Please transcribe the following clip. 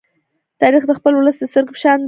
تاریخ د خپل ولس د سترگې په شان دی.